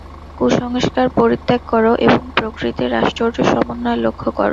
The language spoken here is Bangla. কুসংস্কার পরিত্যাগ কর এবং প্রকৃতির আশ্চর্য সমন্বয় লক্ষ্য কর।